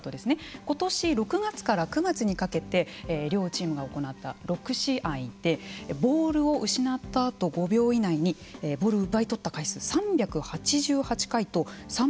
ことし６月から９月にかけて両チームが行った６試合でボールを失ったあと５秒以内にボールを奪い取った回数３８８回と３９０回。